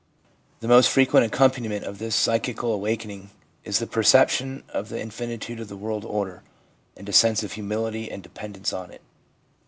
The most frequent accompaniment of this psychical awakening is the perception of the infinitude of the world order, and a sense of humility and depend ence on it.